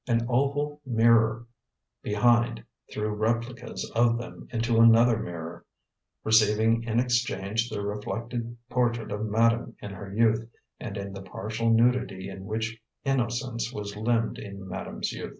An oval mirror behind threw replicas of them into another mirror, receiving in exchange the reflected portrait of madame in her youth, and in the partial nudity in which innocence was limned in madame's youth.